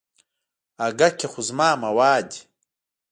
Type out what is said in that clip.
اگه کې خو زما مواد دي.